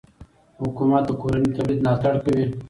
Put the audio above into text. حکومت د کورني تولید ملاتړ کوي.